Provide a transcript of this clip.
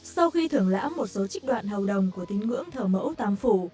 sau khi thưởng lã một số trích đoạn hầu đồng của tính ngưỡng thờ mẫu tám phủ